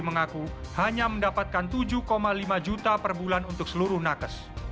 mengaku hanya mendapatkan tujuh lima juta per bulan untuk seluruh nakes